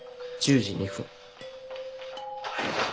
１０時２分。